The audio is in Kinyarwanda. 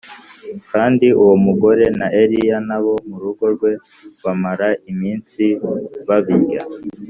kandi uwo mugore na Eliya n’abo mu rugo rwe bamara iminsi babirya